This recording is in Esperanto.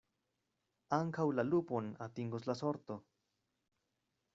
Ankaŭ la lupon atingos la sorto.